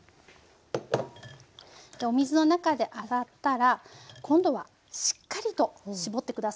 お水の中で洗ったら今度はしっかりと絞って下さい。